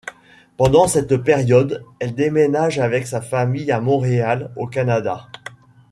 Pendant cette période, elle déménage avec sa famille à Montréal, au Canada.